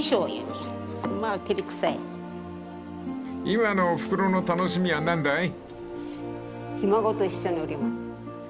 ［今のおふくろの楽しみは何だい？］